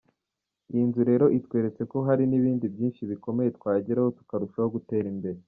Iyi nzu rero itweretse ko hari n’ibindi byinshi bikomeye twageraho tukarushaho gutera imbere.